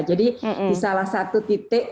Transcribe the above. jadi di salah satu titik